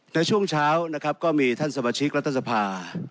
ในช่วงเช้านะครับก็มีท่านสมาชิกรัฐสภา